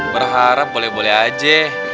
berharap boleh boleh aja